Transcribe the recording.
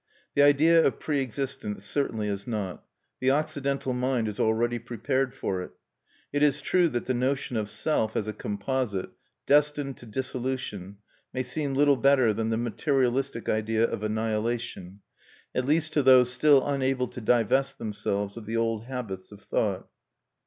The idea of pre existence certainly is not; the Occidental mind is already prepared for it. It is true that the notion of Self as a composite, destined to dissolution, may seem little better than the materialistic idea of annihilation, at least to those still unable to divest themselves of the old habits of thought.